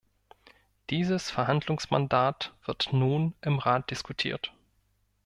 Dieses Verhandlungsmandat wird nun im Rat diskutiert.